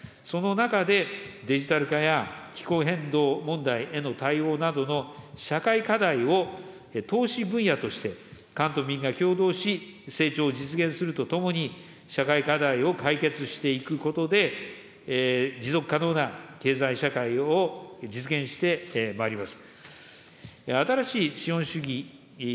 その中で、デジタル化や気候変動問題への対応などの社会課題を投資分野として官と民が協働し、成長を実現するとともに、社会課題を解決していくことで、持続可能な経済社会を実現してまいります。